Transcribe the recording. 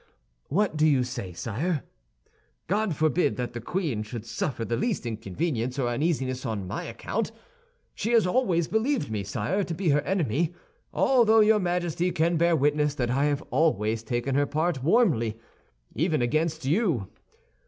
"What do you say, sire? God forbid that the queen should suffer the least inconvenience or uneasiness on my account! She has always believed me, sire, to be her enemy; although your Majesty can bear witness that I have always taken her part warmly, even against you.